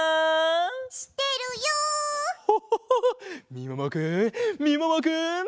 みももくんみももくん！